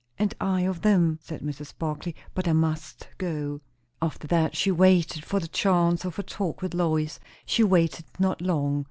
"And I of them," said Mrs. Barclay; "but I must go." After that, she waited for the chance of a talk with Lois. She waited not long.